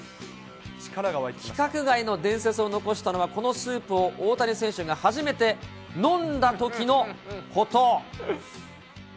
規格外の伝説を残したのは、このスープを大谷選手が初めて飲んだときのこと。